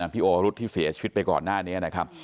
พี่โอรุธที่เสียชีวิตไปก่อนหน้านี้นะครับ